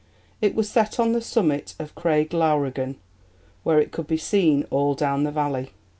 It was set on the summit of Craig Lowrigan, where it could be seen all down the valley.